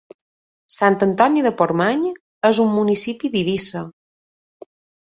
Sant Antoni de Portmany és un municipi d'Eivissa.